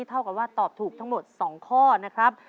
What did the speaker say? เท่ากับว่าตอบถูกทั้งหมด๒ข้อนะครับ